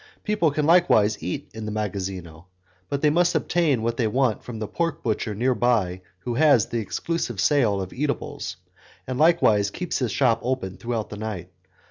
People can likewise eat in the 'magazzino', but they must obtain what they want from the pork butcher near by, who has the exclusive sale of eatables, and likewise keeps his shop open throughout the night.